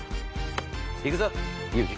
行くぞユージ。